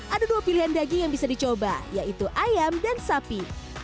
ada dua pilihan daging yang bisa dicoba yaitu ayam dan sapi